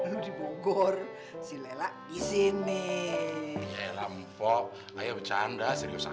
lu dibogor si lela gini lampu kaya bercanda serius amat